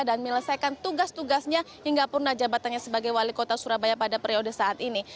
dan melesaikan tugas tugasnya hingga purna jabatannya sebagai wali kota surabaya pada periode saat ini